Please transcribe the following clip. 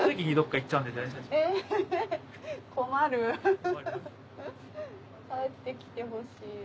帰って来てほしい。